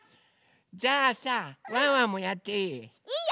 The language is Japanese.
じゃあさワンワンもやっていい？